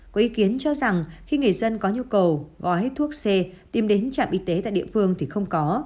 có ý kiến cho rằng khi người dân có nhu cầu gói thuốc c tìm đến trạm y tế tại địa phương thì không có